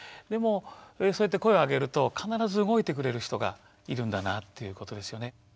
でもそうやって声をあげると必ず動いてくれる人がいるんだなということですよね。